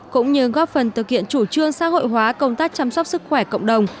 cũng như góp phần thực hiện chủ trương xã hội hóa công tác chăm sóc sức khỏe cộng đồng